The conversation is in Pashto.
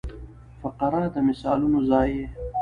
فقره د مثالونو ځای يي.